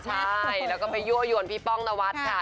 ใช่แล้วก็ไปยั่วยวนพี่ป้องนวัดค่ะ